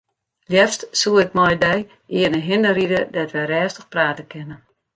Leafst soe ik mei dy earne hinne ride dêr't wy rêstich prate kinne.